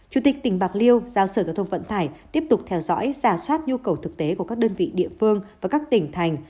chủ tịch tỉnh bạc liêu giao sở giao thông vận tải tiếp tục theo dõi giả soát nhu cầu thực tế của các đơn vị địa phương và các tỉnh thành